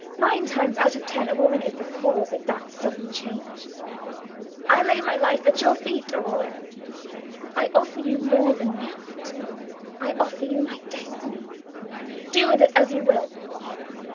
Nine times out of ten a woman is the cause of that sudden change. I lay my life at your feet, Aurora; I offer you more than my heart I offer you my destiny. Do with it as you will."